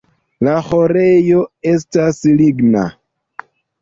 La ĥorejo estas ligna.